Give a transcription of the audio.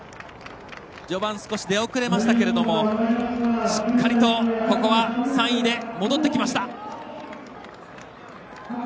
序盤、少し出遅れましたけれどもしっかりとここは３位で戻ってきました。